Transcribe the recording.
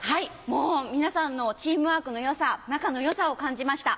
もう皆さんのチームワークの良さ仲の良さを感じました。